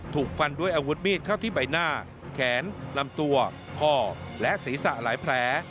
ถูกฟันด้วยอาวุธมีดเข้าที่ใบหน้าแขนลำตัวคอและศีรษะหลายแผล